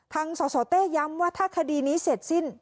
สสเต้ย้ำว่าถ้าคดีนี้เสร็จสิ้น